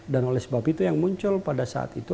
dan oleh sebab itu yang muncul pada saat itu